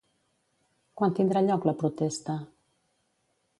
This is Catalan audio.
Quan tindrà lloc la protesta?